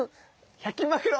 １００均マクロ！